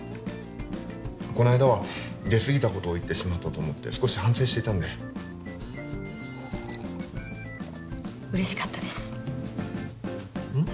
この間は出過ぎたことを言ってしまったと思って少し反省していたんで嬉しかったですうん？